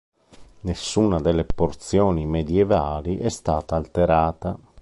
Nessuna delle porzioni medievali è stata alterata.